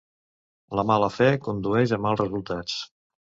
La mala fe condueix a mals resultats.